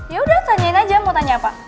yaudah tanyain aja mau tanya apa